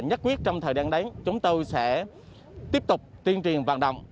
nhắc quyết trong thời gian đấy chúng tôi sẽ tiếp tục tuyên truyền vạn động